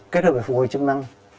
kết hợp với phụ hồi chức năng